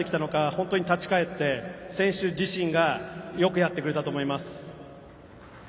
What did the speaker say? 本当に立ち返って選手自身がよくやってくれたと思います。